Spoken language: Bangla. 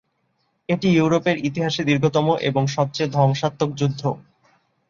এটি ইউরোপের ইতিহাসে দীর্ঘতম এবং সবচেয়ে ধ্বংসাত্মক যুদ্ধ।